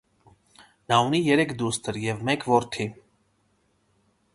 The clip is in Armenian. Նա ունի երեք դուստր և մեկ որդի։